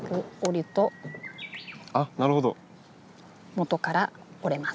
もとから折れます。